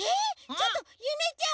ちょっとゆめちゃん！